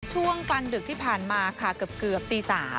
ช่วงกลางดึกที่ผ่านมาค่ะเกือบตี๓